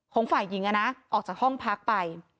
ของฝ่ายหญิงอ่ะนะออกจากห้องพักไป